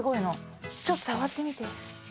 ちょっと触ってみて。